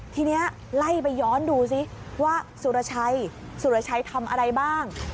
ทีนี้ไล่ไปย้อนดูซิว่าสุรชัยสุรชัยทำอะไรบ้าง